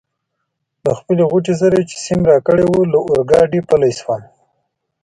له خپلې غوټې سره چي سیم راکړې وه له اورګاډي پلی شوم.